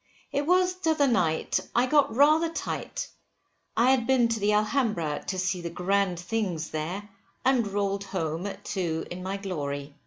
It was t'other night, I got rather tight, I had been to the Alhambra, to see the grand things there, and roll'd home at two in my glory.